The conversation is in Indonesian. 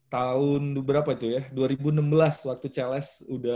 tahun berapa itu ya dua ribu enam belas waktu cls udah